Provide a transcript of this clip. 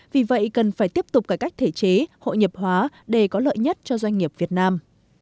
vì vậy cần phải tiếp tục cải cách thể chế hội nhập hóa để có lợi nhất cho doanh nghiệp việt nam